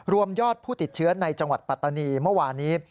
ยอดผู้ติดเชื้อในจังหวัดปัตตานีเมื่อวานี้